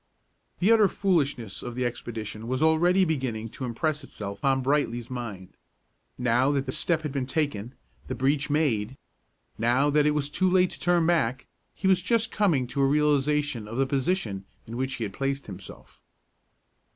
The utter foolishness of the expedition was already beginning to impress itself on Brightly's mind. Now that the step had been taken, the breach made, now that it was too late to turn back, he was just coming to a realization of the position in which he had placed himself.